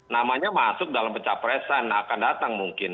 namanya masuk dalam pencapresan akan datang mungkin